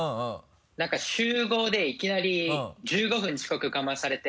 何か集合でいきなり１５分遅刻かまされて。